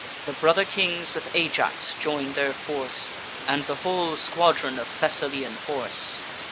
The brother kings with Ajax join their force, And the whole squadron of Thessalian horse.